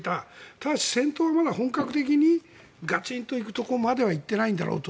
ただし、戦闘はまだ本格的にガチンと行くところまでは行ってないんだろうと。